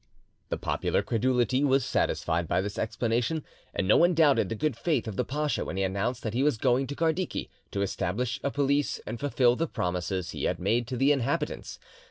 The popular credulity was satisfied by this explanation, and no one doubted the good faith of the pacha when he announced that he was going to Kardiki to establish a police and fulfil the promises he had made to the inhabitants.